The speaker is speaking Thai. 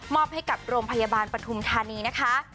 อบให้กับโรงพยาบาลปฐุมธานีนะคะ